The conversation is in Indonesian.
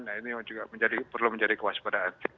nah ini juga perlu menjadi kewaspadaan